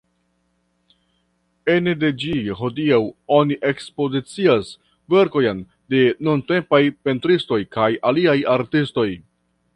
Ene de ĝi hodiaŭ oni ekspozicias verkojn de nuntempaj pentristoj kaj aliaj artistoj.